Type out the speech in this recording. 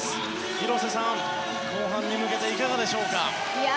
広瀬さん、後半に向けていかがでしょうか？